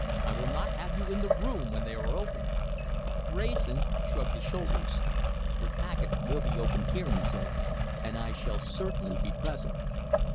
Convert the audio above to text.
I will not have you in the room when they are opened." Wrayson shrugged his shoulders. "The packet will be opened here," he said, "and I shall certainly be present."